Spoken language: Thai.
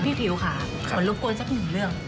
ผิวค่ะขอรบกวนสักหนึ่งเรื่อง